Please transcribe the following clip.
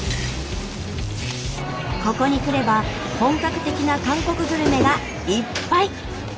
ここに来れば本格的な韓国グルメがいっぱい！